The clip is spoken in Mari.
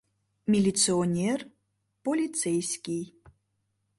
Милиционер — полицейский.